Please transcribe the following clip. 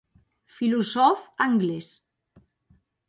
Filosòf anglés.